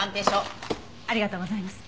ありがとうございます。